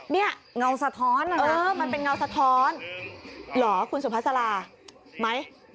นี่มันเป็นเงาสะท้อนนะคุณสุภาษาลาหรือไม่